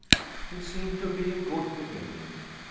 It seemed to be a good beginning.